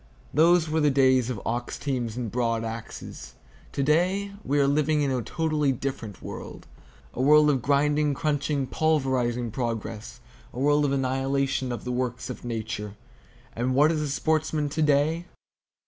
Those were the days of ox teams and broad axes. To day, we are living in a totally different world,—a world of grinding, crunching, pulverizing progress, a world of annihilation of the works of Nature. And what is a sportsman to day?